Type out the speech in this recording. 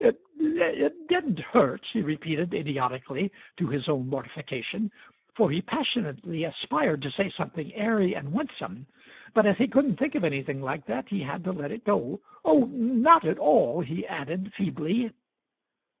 "It— it didn't hurt," he repeated idiotically, to his own mortification, for he passionately aspired to say something airy and winsome; but, as he couldn't think of anything like that, he had to let it go. "Oh, not at all," he added feebly.